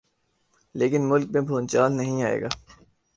لیکن ملک میں بھونچال نہیں آئے گا۔